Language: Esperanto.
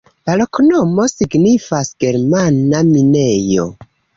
La loknomo signifas: germana-minejo.